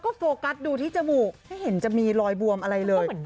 ก็โฟกัสดูที่จมูกไม่เห็นจะมีรอยบวมอะไรเลย